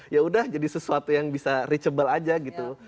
ya udah jadi sesuatu yang bisa reachable aja gitu